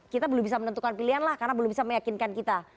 kita belum bisa menentukan pilihan lah karena belum bisa meyakinkan kita